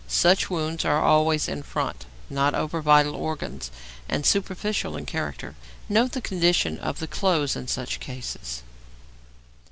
Such wounds are always in front, not over vital organs, and superficial in character. Note the condition of the clothes in such cases.